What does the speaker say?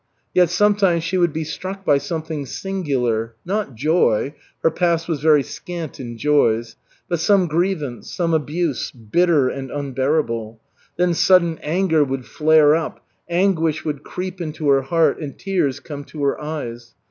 Yet sometimes she would be struck by something singular, not joy her past was very scant in joys but some grievance, some abuse, bitter and unbearable. Then sudden anger would flare up, anguish would creep into her heart, and tears come to her eyes.